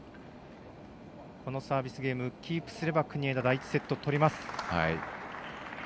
このサービスゲームキープすれば国枝、第１セット、とります。